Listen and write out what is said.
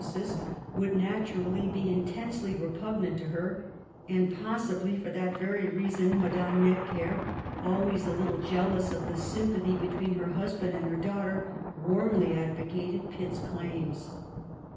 3 1 sis, would naturally be intensely repugnant to her ; and possibly for that very reason Madame Necker, always a little jealous of the sympathy between her husband and her daughter, warmly advocated Pitt's claims.